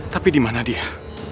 tapi dimana dia